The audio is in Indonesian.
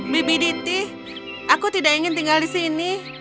bibi diti aku tidak ingin tinggal di sini